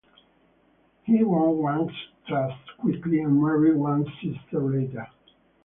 He won Wang's trust quickly and married Wang's sister later.